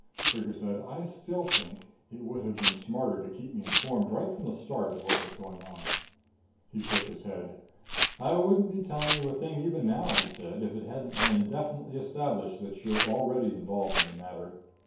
Trigger said, "I still think it would have been smarter to keep me informed right from the start of what was going on." He shook his head. "I wouldn't be telling you a thing even now," he said, "if it hadn't been definitely established that you're already involved in the matter.